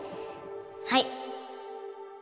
はい